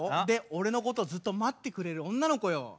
で俺のことをずっと待ってくれる女の子よ。